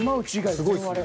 すごいですね。